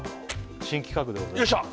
新企画でございますよっしゃ！